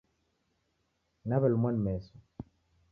Nawelumwa ni meso